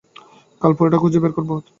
কাল পুরোটা খুঁজে বের কররে পারবো।